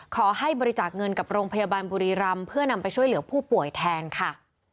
ขอให้บริจาคเงินกับโรงพยาบาลบุรีรำเพื่อนำไปช่วยเหลือผู้ป่วยแทนค่ะ